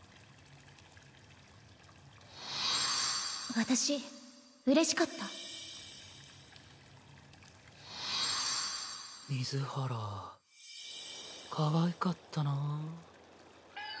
私うれしかった水原かわいかったなぁ。